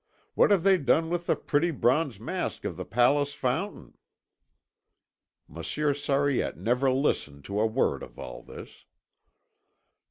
What have they done with the pretty bronze mask of the Palace fountain?" Monsieur Sariette never listened to a word of all this.